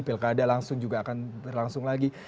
pilkada langsung juga akan berlangsung lagi